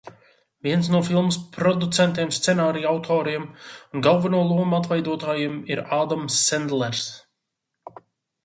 Viens no filmas producentiem, scenārija autoriem un galveno lomu atveidotājiem ir Ādams Sendlers.